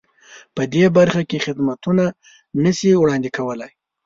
په دې برخه کې خدمتونه نه شي وړاندې کولای.